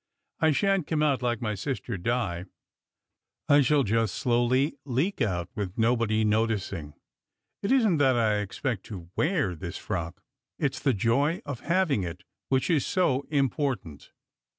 I shan t come out like my sister Di, I shall just slowly leak out, with nobody noticing. It isn t that I expect to wear this frock. It s the joy of having it which is so important."